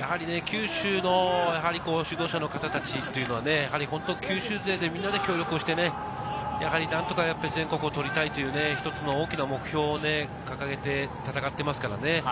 やはり九州の指導者の方たちというのは、九州勢でみんなで協力をして、何とか全国を取りたいという一つの大きな目標を掲げて戦っていますからね。